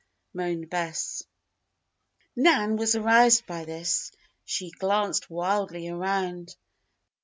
moaned Bess. Nan was aroused by this. She glanced wildly around.